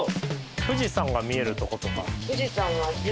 富士山が見えるとことか。